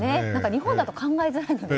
日本だと考えづらいので。